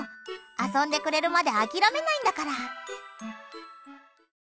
遊んでくれるまで諦めないんだから。